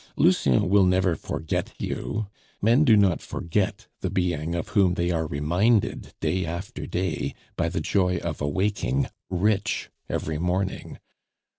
"Lucien will never forget you. Men do not forget the being of whom they are reminded day after day by the joy of awaking rich every morning.